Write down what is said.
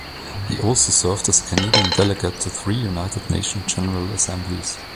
He also served as a Canadian delegate to three United Nations General Assemblies.